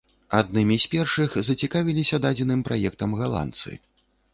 Аднымі з першых зацікавіліся дадзеным праектам галандцы.